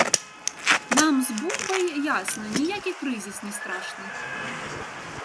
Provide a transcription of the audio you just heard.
Нам з бульбай, ясна, ніякі крызіс не страшны.